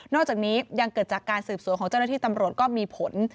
อกจากนี้ยังเกิดจากการสืบสวนของเจ้าหน้าที่ตำรวจก็มีผล